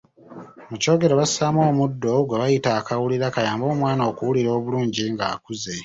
Mu kyogero bassaamu omuddo gwe bayita akawulira kayambe omwana okuwulira obulungi ng’akuze.